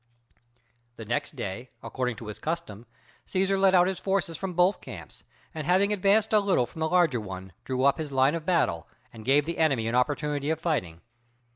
The next day, according to his custom, Cæsar led out his forces from both camps, and having advanced a little from the larger one, drew up his line of battle, and gave the enemy an opportunity of fighting.